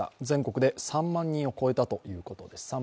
全国で３万人を超えたということです。